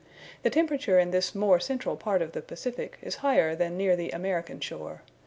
The temperature in this more central part of the Pacific is higher than near the American shore.